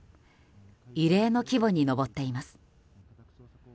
異例の規模に上っています。